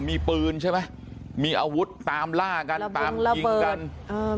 มีปืนใช่ไหมมีอาวุธตามล่ากันตามยิงกันเออ